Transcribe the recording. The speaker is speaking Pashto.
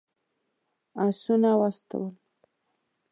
آسونه واستول.